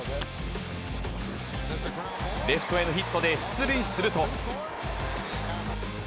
レフトへのヒットで出塁すると。